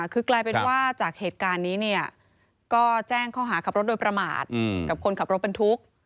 คือกลายเป็นว่าจากเหตุการณ์นี้เนี่ยก็แจ้งข้อหาขับรถโดยประมาทกับคนขับรถบรรทุก